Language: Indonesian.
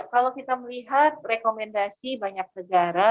kalau kita melihat rekomendasi banyak negara